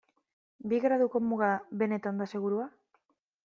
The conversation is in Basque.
Bi graduko muga benetan da segurua?